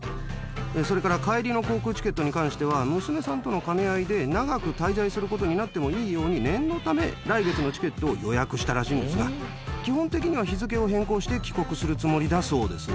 それから帰りの航空チケットに関しては、娘さんとの兼ね合いで、長く滞在することになってもいいように、念のため、来月のチケットを予約したらしいんですが、基本的には日付を変更して帰国するつもりだそうです。